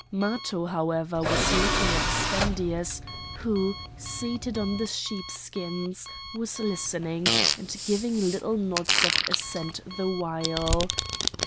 Matho, however, was looking at Spendius, who, seated on the sheep skins, was listening, and giving little nods of assent the while.